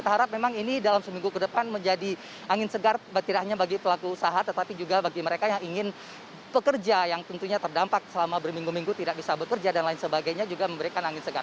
jadi dalam seminggu ke depan menjadi angin segar tidak hanya bagi pelaku usaha tetapi juga bagi mereka yang ingin bekerja yang tentunya terdampak selama berminggu minggu tidak bisa bekerja dan lain sebagainya juga memberikan angin segar